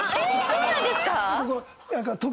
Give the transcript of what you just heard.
そうなんですか？